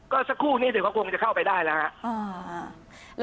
ก็สักครู่นี้เดี๋ยวก็คงจะเข้าไปได้แล้วครับ